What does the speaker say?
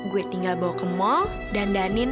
gue tinggal bawa ke mall dandanin